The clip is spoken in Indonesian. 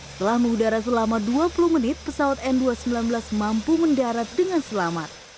setelah mengudara selama dua puluh menit pesawat n dua ratus sembilan belas mampu mendarat dengan selamat